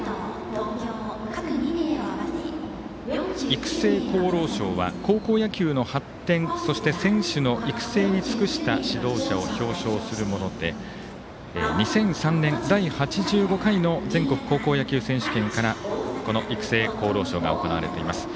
育成功労賞は高校野球の発展そして選手の育成に努めた指導者を表彰するもので２００３年、第８５回の全国高校野球選手権からこの育成功労賞が行われています。